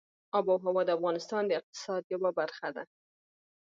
آب وهوا د افغانستان د اقتصاد یوه برخه ده.